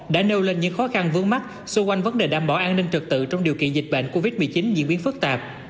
đã nêu lên những khó khăn vướng mắt xoay quanh vấn đề đảm bảo an ninh trật tự trong điều kiện dịch bệnh covid một mươi chín diễn biến phức tạp